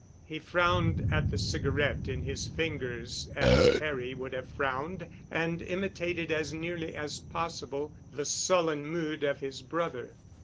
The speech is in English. He frowned at the cigarette in his fingers as Harry would have frowned and imitated as nearly as possible the sullen mood of his brother.